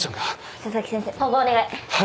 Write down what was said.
佐々木先生縫合お願い。